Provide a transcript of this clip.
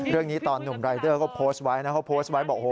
เรื่องนี้ตอนหนุ่มรายเดอร์ก็โพสต์ไว้นะเขาโพสต์ไว้บอกโอ้โห